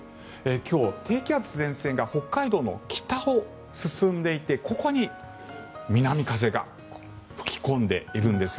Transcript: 今日、低気圧前線が北海道の北を進んでいてここに南風が吹き込んでいるんです。